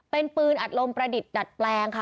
เป็นปืนอัดลมประดิษฐ์ดัดแปลงค่ะ